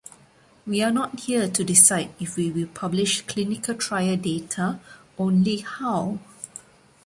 We are not here to decide if we will publish clinical-trial data, only how.